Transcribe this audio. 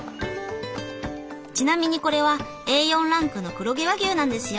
ちなみにこれはＡ４ランクの黒毛和牛なんですよ。